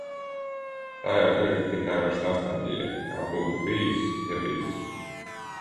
Tā jau tagad ir tikai vairs nostalģija, kā būtu bijis, ja bijis...